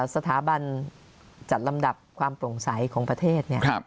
สถาบันจัดลำดับความปลงใสของประเทศเนี่ย